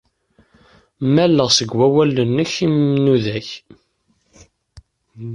Malleɣ seg wawalen-nnek inmudag.